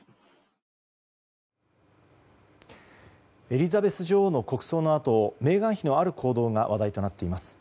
エリザベス女王の国葬のあとメーガン妃のある行動が話題となっています。